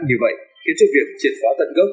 như vậy khiến cho việc triệt phó tận gốc